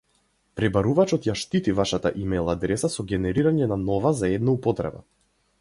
Пребарувачот ја штити вашата имејл адреса со генерирање на нова за една употреба